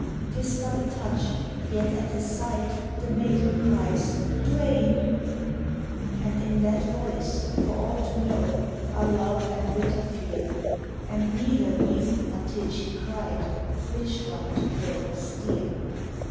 Tis but a touch, yet at the sight The maiden cries, "Duane!" And in that voice, for all to know, Are love and bitter fear; And neither knew, until she cried, Which one to her was dear.